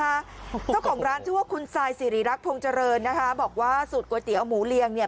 เจ้าของร้านชื่อว่าคุณซายสิริรักษ์พงษ์เจริญนะคะบอกว่าสูตรก๋วยเตี๋ยวหมูเรียงเนี่ย